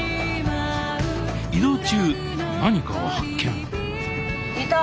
移動中何かを発見いた！